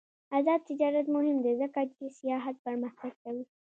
آزاد تجارت مهم دی ځکه چې سیاحت پرمختګ کوي.